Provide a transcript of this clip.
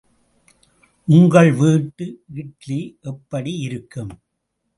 உங்கள் வீட்டு இட்லி எப்படி இருக்கும்.